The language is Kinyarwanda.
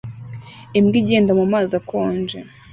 Imbwa igenda mu mazi akonje